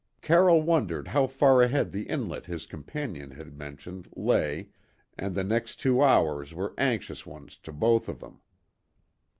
Carroll wondered how far ahead the inlet his companion had mentioned lay, and the next two hours were anxious ones to both of them.